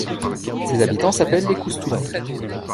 Ses habitants s'appellent les Coustoulins.